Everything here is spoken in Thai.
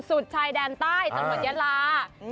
สุดชายดาร์ใต้สลดเยอะร้า